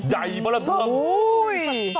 ใหญ่มากเลยครับ